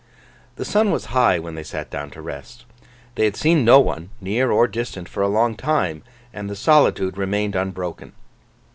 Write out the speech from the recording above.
The sun was high when they sat down to rest. They had seen no one, near or distant, for a long time; and the solitude remained unbroken.